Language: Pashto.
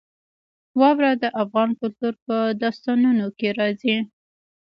واوره د افغان کلتور په داستانونو کې راځي.